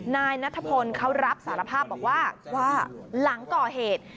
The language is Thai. นายนัทพลเขารับสารภาพบอกว่าหลังก่อเหตุ